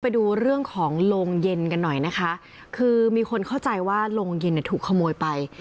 ไปดูเรื่องของโรงเย็นกันหน่อยนะคะคือมีคนเข้าใจว่าโรงเย็นเนี่ยถูกขโมยไป